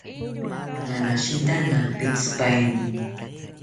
Nanashita nampitzipaeni